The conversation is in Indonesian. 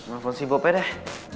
malah panggil si bob aja deh